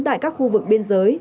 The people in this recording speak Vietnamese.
tại các khu vực biên giới